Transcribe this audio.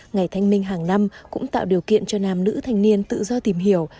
ngày thanh minh hàng năm cũng tạo điều kiện cho nam nữ thanh niên tự do tìm hiểu